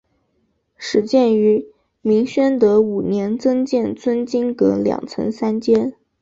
始建于明宣德五年增建尊经阁两层三间。